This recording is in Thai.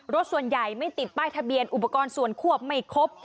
รถส่วนใหญ่ไม่ติดป้ายทะเบียนอุปกรณ์ส่วนควบไม่ครบ